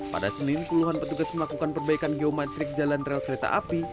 pada senin puluhan petugas melakukan perbaikan geometrik jalan rel kereta api